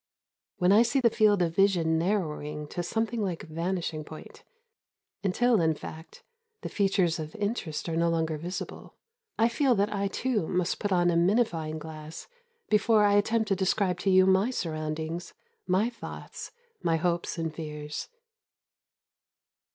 When I see the field of vision narrowing to something like vanishing point, until, in fact, the features of interest are no longer visible, I feel that I too must put on a minifying glass, before I attempt to describe to you my surroundings, my thoughts, my hopes and fears.